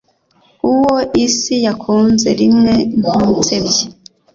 Uwo isi yakunze rimwe ntunsebye